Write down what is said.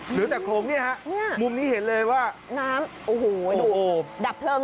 เหลือแต่โครงเนี่ยฮะมุมนี้เห็นเลยว่าน้ำโอ้โหดูดับเพลิง